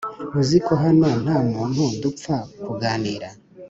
uziko hano ntamuntu dupfa kuganira